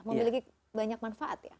memiliki banyak manfaat ya